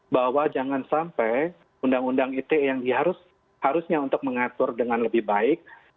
bahwa jangan sampai undang undang ite yang harusnya untuk mengatur dengan lebih baik